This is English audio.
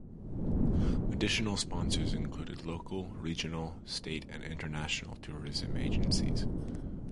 Additional sponsors included local, regional, State and international tourism agencies.